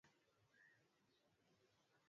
kwani iliaminika kuwa mazishi yalidhuru udongo